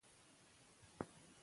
خپل اعتبار وساتئ.